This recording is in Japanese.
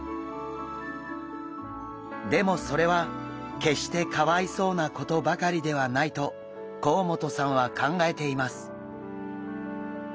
でもそれは決してかわいそうなことばかりではないと甲本さんは考えています。